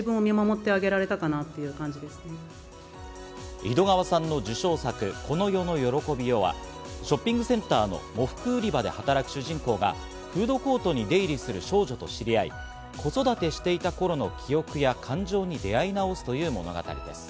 井戸川さんの受賞作『この世の喜びよ』はショッピングセンターの喪服売り場で働く主人公がフードコートに出入りする少女と知り合い、子育てしていた頃の記憶や感情に出会い直すという物語です。